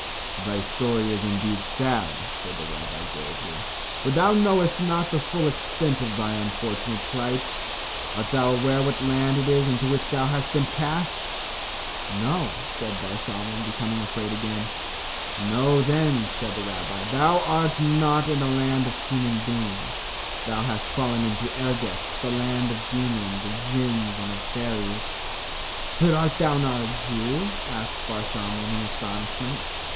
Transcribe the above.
"Thy story is indeed sad," said the rabbi, gravely, "but thou knowest not the full extent of thy unfortunate plight. Art thou aware what land it is into which thou hast been cast?" "No," said Bar Shalmon, becoming afraid again. "Know then," said the rabbi, "thou art not in a land of human beings. Thou hast fallen into Ergetz, the land of demons, of djinns, and of fairies." "But art thou not a Jew?" asked Bar Shalmon, in astonishment.